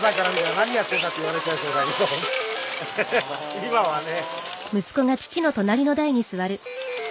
今はね。